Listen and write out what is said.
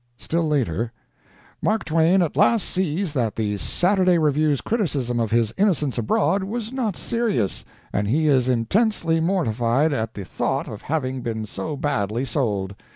(Still later) Mark Twain at last sees that the Saturday Review's criticism of his Innocents Abroad was not serious, and he is intensely mortified at the thought of having been so badly sold.